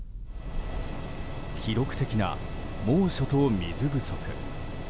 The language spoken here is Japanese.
記録的な猛暑と水不足。